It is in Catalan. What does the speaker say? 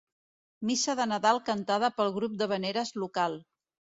Missa de Nadal cantada pel grup d'havaneres local: